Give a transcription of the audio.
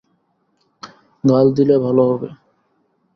গাল দিলে ভালো হবে।